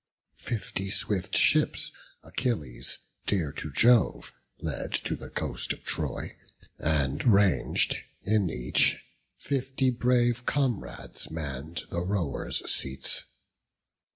Fifty swift ships Achilles, dear to Jove, Led to the coast of Troy; and rang'd in each Fifty brave comrades mann'd the rowers' seats.